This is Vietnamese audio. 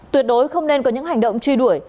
tuyệt đối không nên có những hành động truy đuổi